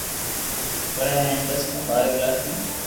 پڙي ھي ھين دس مون ٻاري ڪلاس ۾